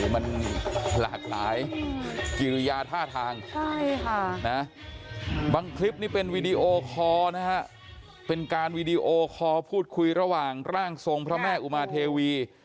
มันหลากหลายกิริยาท่าทางบางคลิปนี้เป็นวีดีโอคอร์นะฮะเป็นการวีดีโอคอลพูดคุยระหว่างร่างทรงพระแม่อุมาเทวี